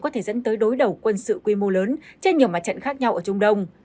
có thể dẫn tới đối đầu quân sự quy mô lớn trên nhiều mặt trận khác nhau ở trung đông